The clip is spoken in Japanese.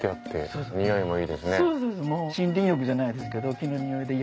そうそう森林浴じゃないですけど。